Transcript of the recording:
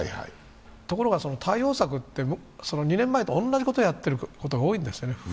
ところが、対応策って２年前同じことやってることが多いんですよね。